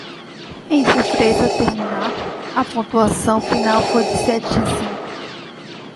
Em surpresa terminar? a pontuação final foi de sete a cinco.